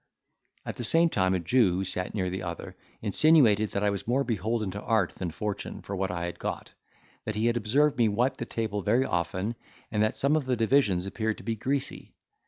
At the same time, a Jew, who sat near the other, insinuated that I was more beholden to art than fortune for what I had got; that he had observed me wipe the table very often, and that some of the divisions appeared to be greasy.